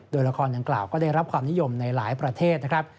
โดยละครดังกล่าวก็ได้รับความนิยมในหลายประเทศนะครับ